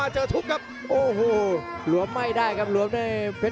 ชาเลน์